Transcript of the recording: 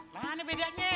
nah ini bedanya